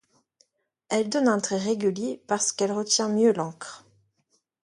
Elle donne un trait régulier parce qu’elle retient mieux l’encre.